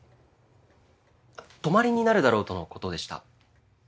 泊まりになるだろうとのことでした。